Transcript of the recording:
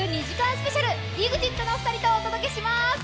スペシャルＥＸＩＴのお二人とお届けします。